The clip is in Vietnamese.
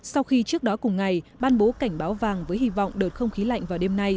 sau khi trước đó cùng ngày ban bố cảnh báo vàng với hy vọng đợt không khí lạnh vào đêm nay